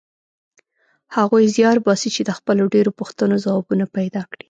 هغوی زیار باسي چې د خپلو ډېرو پوښتنو ځوابونه پیدا کړي.